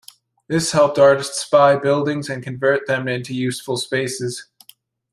This helped artists buy buildings and convert them into useful spaces.